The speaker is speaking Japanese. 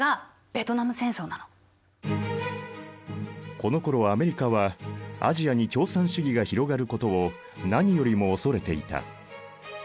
このころアメリカはアジアに共産主義が広がることを何よりも恐れていた。